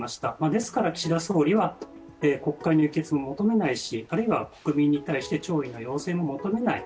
ですから岸田総理は国会議決も求めないし、あるいは国民に対して弔意の要請も求めない。